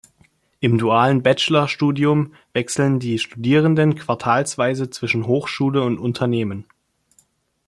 Im dualen Bachelor-Studium wechseln die Studierenden quartalsweise zwischen Hochschule und Unternehmen.